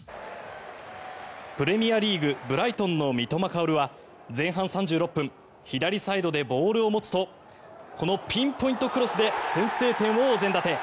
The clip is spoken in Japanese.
プレミアリーグブライトンの三笘薫は前半３６分左サイドでボールを持つとこのピンポイントクロスで先制点をお膳立て。